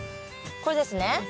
これですね。